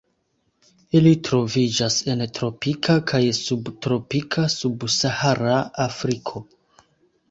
Ili troviĝas en tropika kaj subtropika sub-Sahara Afriko.